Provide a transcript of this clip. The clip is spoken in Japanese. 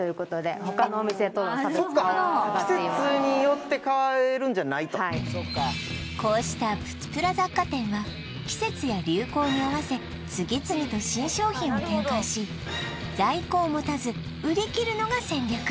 季節によって変えるんじゃないとこうしたプチプラ雑貨店は季節や流行に合わせ次々と新商品を展開し在庫を持たず売り切るのが戦略